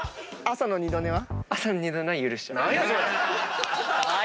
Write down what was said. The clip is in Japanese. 「朝の２度寝は？」